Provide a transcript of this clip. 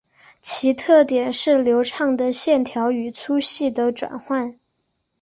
其特点是流畅的线条与粗细的转换。